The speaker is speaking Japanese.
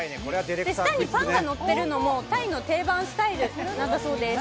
下にパンがのっているのもタイの定番スタイルだそうです。